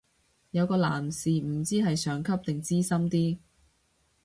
有個男士唔知係上級定資深啲